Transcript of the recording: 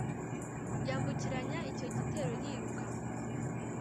yambukiranya icyo gitero yiruka